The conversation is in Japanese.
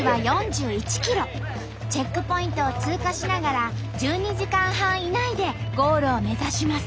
チェックポイントを通過しながら１２時間半以内でゴールを目指します。